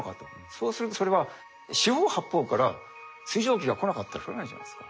そうするとそれは四方八方から水蒸気が来なかったら降らないじゃないですか。